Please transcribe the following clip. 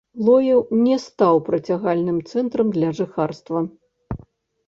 Лоеў не стаў прыцягальным цэнтрам для жыхарства.